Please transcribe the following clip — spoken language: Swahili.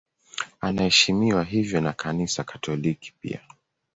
Anaheshimiwa hivyo na Kanisa Katoliki pia.